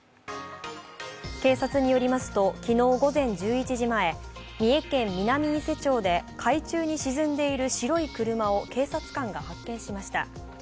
警察によりますと昨日午前１１時前、三重県南伊勢町で海中に沈んでいる白い車を警察官が発見しました。